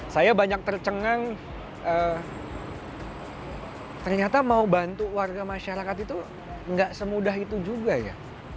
saya banyak tercengang ternyata mau bantu warga masyarakat itu nggak semudah itu juga ya